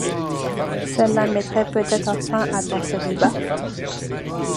Cela mettrait peut-être fin à ton célibat.